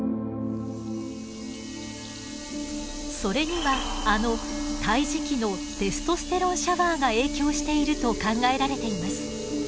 それにはあの胎児期のテストステロンシャワーが影響していると考えられています。